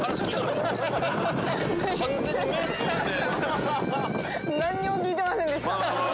完全に目つぶって。